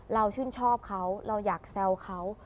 ชื่นชอบเขาเราอยากแซวเขา